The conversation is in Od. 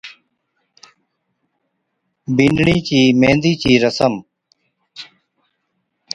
بِينڏڙِي چِي ميھندِي چِي رسم